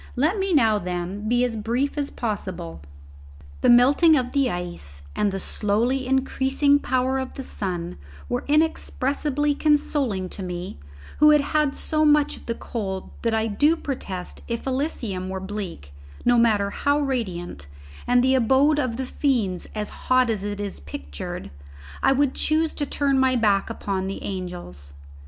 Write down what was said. Let me now, then, be as brief as possible. The melting of the ice and the slowly increasing power of the sun were inexpressibly consoling to me who had had so much of the cold that I do protest if Elysium were bleak, no matter how radiant, and the abode of the fiends as hot as it is pictured, I would choose to turn my back upon the angels.